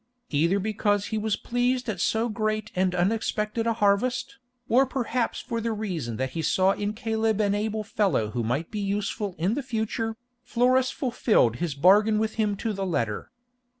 Either because he was pleased at so great and unexpected a harvest, or perhaps for the reason that he saw in Caleb an able fellow who might be useful in the future, Florus fulfilled his bargain with him to the letter.